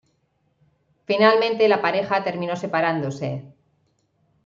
Finalmente la pareja terminó separándose.